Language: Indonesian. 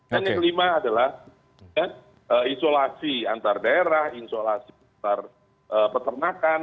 dan yang kelima adalah isolasi antar daerah isolasi antar peternakan